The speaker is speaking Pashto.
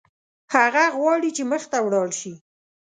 هغه غواړي چې مخته ولاړ شي.